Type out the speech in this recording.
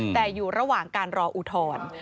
แต่อยู่ระหว่างการรออุทธรณ์